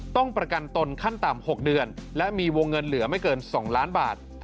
ต้องประกันตนขั้นต่ำ๖เดือนและมีวงเงินเหลือไม่เกิน๒ล้านบาท